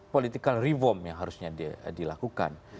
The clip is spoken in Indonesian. political reform yang harusnya dilakukan